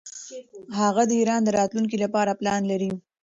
هغه د ایران د راتلونکي لپاره پلان لري.